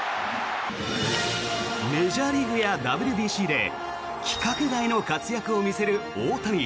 メジャーリーグやＷＢＣで規格外の活躍を見せる大谷。